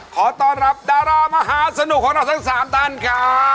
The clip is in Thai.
ขอต้อนรับดารามหาสนุกของเราทั้ง๓ท่านครับ